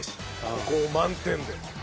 ここを満点で倒し。